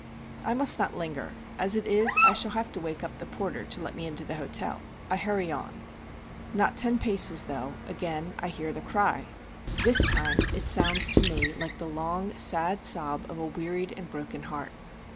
I must not linger; as it is, I shall have to wake up the porter to let me into the hotel. I hurry on. Not ten paces, though. Again I hear the cry. This time it sounds to me like the long, sad sob of a wearied and broken heart.